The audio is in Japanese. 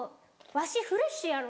「わしフレッシュやろ」？